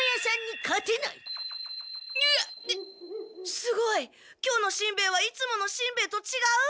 すごい！今日のしんべヱはいつものしんべヱとちがう。